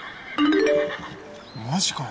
マジかよ。